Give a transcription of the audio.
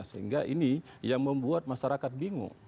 sehingga ini yang membuat masyarakat bingung